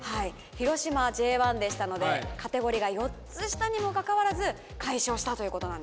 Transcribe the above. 広島はＪ１でしたのでカテゴリーが４つ下にもかかわらず快勝したということなんですね。